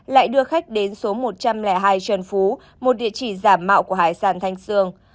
lại đưa khách đến số một trăm linh hai trần phú một địa chỉ giả mạo của hải sản thanh sương